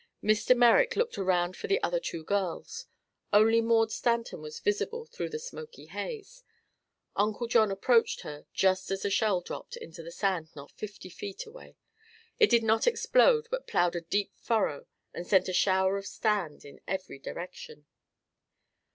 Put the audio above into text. Mr. Merrick looked around for the other two girls. Only Maud Stanton was visible through the smoky haze. Uncle John approached her just as a shell dropped into the sand not fifty feet away. It did not explode but plowed a deep furrow and sent a shower of sand in every direction.